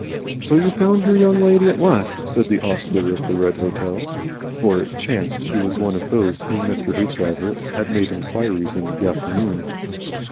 "So you found your Young Lady at last," said the ostler of the Red Hotel; for it chanced he was one of those of whom Hoopdriver had made inquiries in the afternoon.